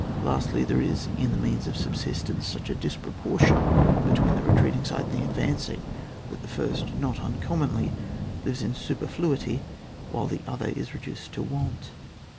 Lastly, there is^ in the means of sub sistence, such a disproportion between the retreating side and the advancing, that the first not unconmionly lives in superfluity when the other is reduced to want.